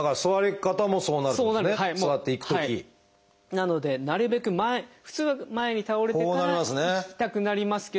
なのでなるべく前普通は前に倒れてからこうなりますね。